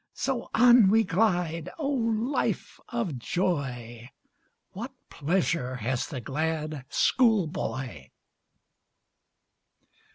So on we glide O, life of joy; What pleasure has the glad school boy!